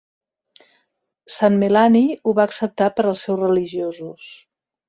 Sant Melani ho va acceptar per als seus religiosos.